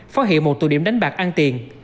phá hiệu một tù điểm đánh bạc ăn tiền